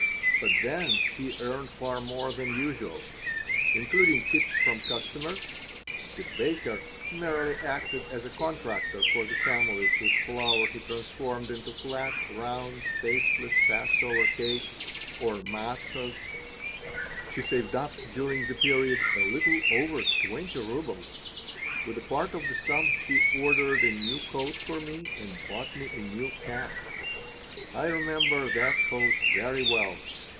But then she earned far more than usual. Including tips from customers (the baker merely acted as a contractor for the families whose flour he transformed into flat, round, tasteless Passover cakes, or "matzoths") she saved up, during the period, a little over twenty rubles. With a part of this sum she ordered a new coat for me and bought me a new cap. I remember that coat very well.